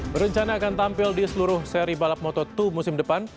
berencana akan tampil di seluruh seri balap moto dua musim depan